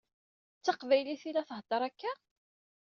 D taqbaylit i la iheddeṛ akka?